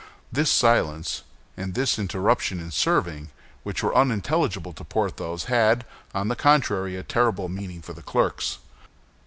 This silence and this interruption in serving, which were unintelligible to Porthos, had, on the contrary, a terrible meaning for the clerks.